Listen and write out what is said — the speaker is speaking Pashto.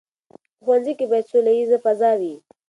په ښوونځي کې باید سوله ییزه فضا وي.